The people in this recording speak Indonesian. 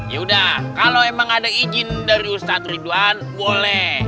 yaudah kalau emang ada izin dari ustadz ridwan boleh